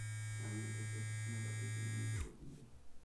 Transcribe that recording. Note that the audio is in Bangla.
আমি আর লিখতে পারছি না, বাকী তিনি নিজে বলুন গে।